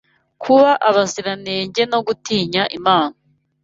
kuba abaziranenge no gutinya Imana